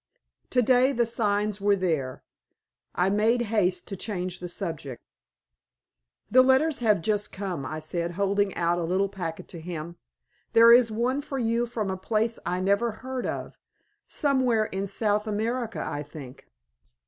To day the signs were there. I made haste to change the subject. "The letters have just come," I said, holding out a little packet to him. "There is one for you from a place I never heard of somewhere in South America, I think."